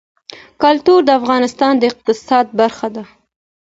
کلتور د افغانستان د اقتصاد برخه ده.